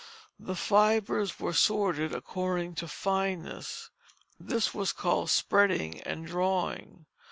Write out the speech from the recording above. The fibres were sorted according to fineness; this was called spreading and drawing.